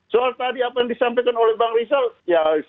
soal tadi apa yang disampaikan oleh bang rizal ya